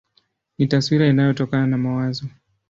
Ni taswira inayotokana na mawazo.